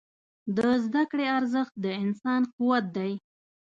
د زده کړې ارزښت د انسان قوت دی.